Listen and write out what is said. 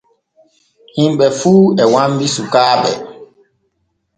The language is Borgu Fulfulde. Himɓe fu e wambi sukaaɓe.